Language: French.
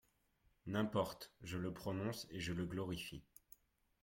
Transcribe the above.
N'importe, je le prononce, et je le glorifie.